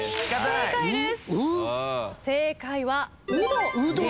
正解です。